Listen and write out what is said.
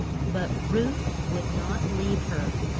But Ruth would not leave her.